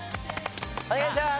お願いします。